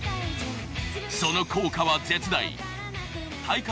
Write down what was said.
その効果は絶大。